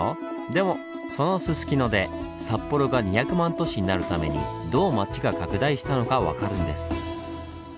でもそのすすきので札幌が２００万都市になるためにどう町が拡大したのか分かるんです。